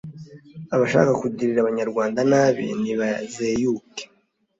abashaka kugirira abanyarwanda nabi nibazeyuke